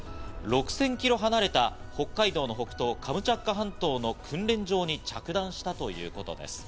６０００キロ離れた北海道の北東、カムチャツカ半島の訓練場に着弾したということです。